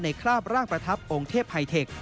คราบร่างประทับองค์เทพไฮเทค